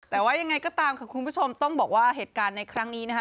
แต่ว่ายังไงก็ตามค่ะคุณผู้ชมต้องบอกว่าเหตุการณ์ในครั้งนี้นะคะ